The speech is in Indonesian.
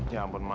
ya ampun ma